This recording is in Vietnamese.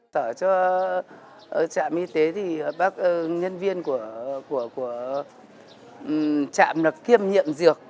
tỏ cho trạm y tế thì nhân viên của trạm là kiêm nhiệm dược